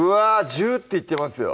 ジューッていってますよ